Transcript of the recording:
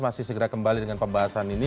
masih segera kembali dengan pembahasan ini